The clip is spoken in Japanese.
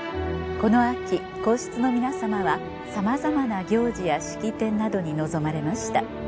この秋皇室の皆さまはさまざまな行事や式典などに臨まれました。